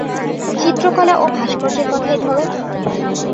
চিত্রকলা ও ভাস্কর্যের কথাই ধর।